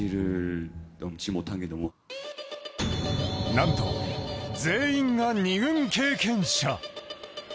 なんと全員が２軍経験者。